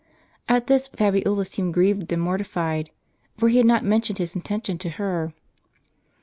At this Fabiola seemed grieved and mortified ; for he had not mentioned his intention to her.